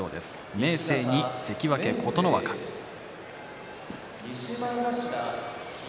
明生に琴ノ若です。